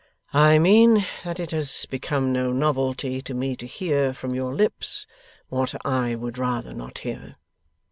'I mean that it has become no novelty to me to hear from your lips what I would rather not hear.